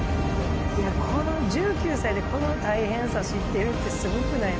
この１９歳でこの大変さ知ってるってすごくないですか？